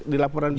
di laporan bpk